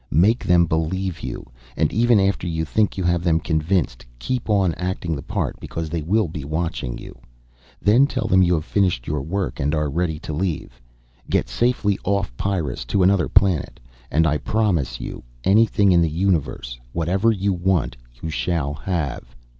Make them believe you, and even after you think you have them convinced keep on acting the part because they will be watching you. Then tell them you have finished your work and are ready to leave. Get safely off Pyrrus, to another planet, and I promise you anything in the universe. Whatever you want you shall have.